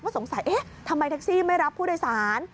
สงสัยเอ๊ะทำไมแท็กซี่ไม่รับผู้โดยสาร